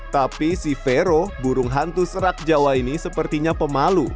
tapi si vero burung hantu serak jawa ini sepertinya pemalu